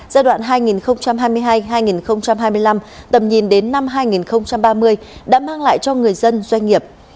giai đoạn hai nghìn hai mươi hai hai nghìn hai mươi năm tầm nhìn đến năm hai nghìn ba mươi đã mang lại cho người dân doanh nghiệp